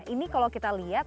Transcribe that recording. ini kalau kita lihat